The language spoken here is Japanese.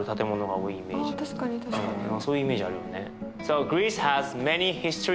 そういうイメージあるよね。